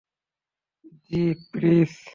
জ্বি, প্লিজ।